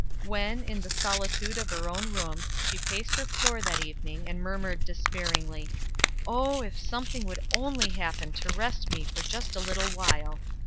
When, in the solitude of her own room, she paced her floor that evening, and murmured, despairingly: "Oh, if something would only happen to rest me for just a little while!"